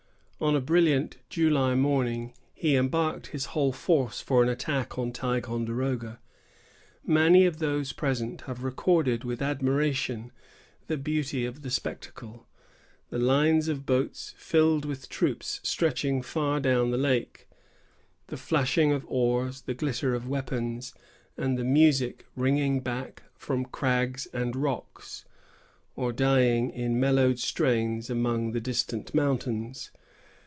On a brilliant July morning, he embarked his whole force for an attack on Ticonderoga. Many of those present have recorded with admiration the beauty of the spectacle, the lines of boats filled with troops stretching far down the lake, the flashing of oars, the glitter of weapons, and the music ringing back from crags and rocks, or dying in mellowed strains among the distant mountains.